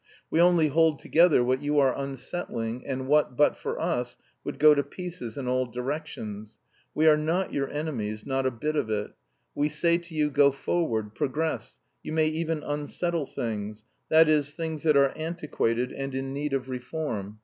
We only hold together what you are unsettling, and what, but for us, would go to pieces in all directions. We are not your enemies, not a bit of it. We say to you, go forward, progress, you may even unsettle things, that is, things that are antiquated and in need of reform.